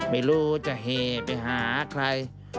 ไม่รู้จะเหไปหาใคร